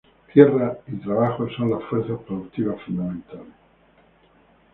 Tierra y trabajo son las fuerzas productivas fundamentales.